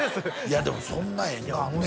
いやでもそんな縁があんね